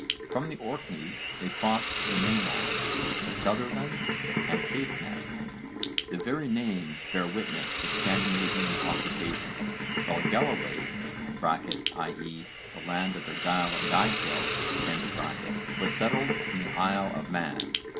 From the Orkneys they crossed to the mainland, to Sutherland and Caithness the very names bear witness to Scandinavian occupation while Galloway (i.e. the land of the Gaill Gaedhil, v. supra, p. 56) was settled from the Isle of Man.